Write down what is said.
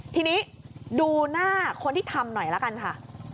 ทีนี้ดูหน้าคนที่ทำหน่อยละกันค่ะ